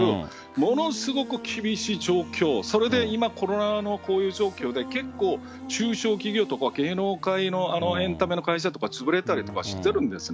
ものすごく厳しい状況、それで今、コロナのこういう状況で、結構、中小企業とか芸能界のエンタメの会社とか、潰れたりとかしてるんですね。